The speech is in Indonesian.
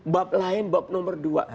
bab lain bab nomor dua